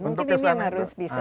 mungkin ini yang harus bisa